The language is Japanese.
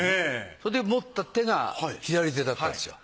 それで持った手が左手だったんですよ